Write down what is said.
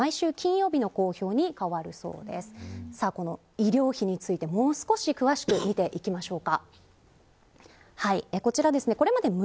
医療費について、もう少し詳しく見ていきましょう。